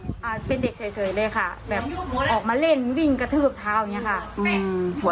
อ่าแต่เด็กเฉยเลยคะออกมาเล่นวิ่งกระทืบชาวนี้คะหัวล้อ